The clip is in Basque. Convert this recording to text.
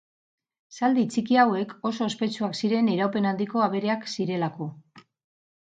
Zaldi txiki hauek oso ospetsuak ziren iraupen handiko abereak zirelako.